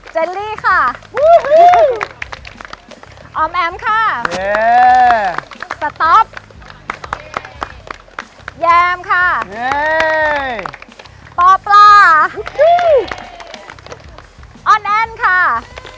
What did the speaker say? เจลลี่ค่ะอ๋อมแอมค่ะสต๊อปค่ะปปลาอนแอนค่ะ